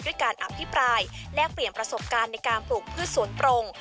การอภิปรายแลกเปลี่ยนประสบการณ์ในการปลูกพืชสวนตรง